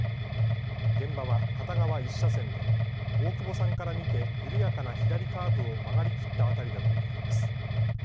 現場は片側１車線で大久保さんから見て緩やかな左カーブを曲がりきった辺りだということです。